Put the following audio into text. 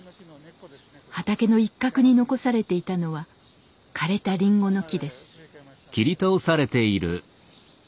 畑の一角に残されていたのは枯れたリンゴの木です。